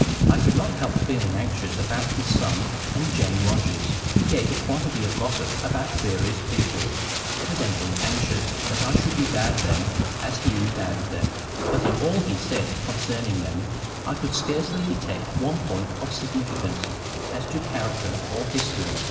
—I could not help feeling anxious about his son and Jane Rogers.—He gave a quantity of gossip about various people, evidently anxious that I should regard them as he regarded them; but in all he said concerning them I could scarcely detect one point of significance as to character or history.